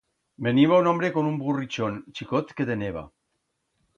Veniba un hombre con un burrichón chicot que teneba.